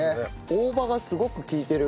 大葉がすごく利いてる。